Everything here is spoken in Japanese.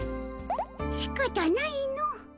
しかたないの。